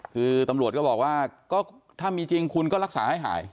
คือตำรวจก็บอกว่าก็ถ้ามีจริงคุณก็รักษาให้หาย